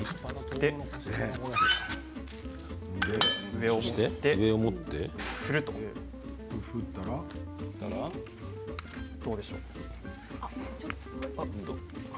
上を持って振るとどうでしょう？